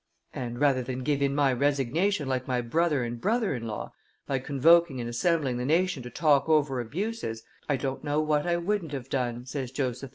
'And rather than give in my resignation like my brother and brother in law, by convoking and assembling the nation to talk over abuses, I don't know what I wouldn't have done,' says Joseph II."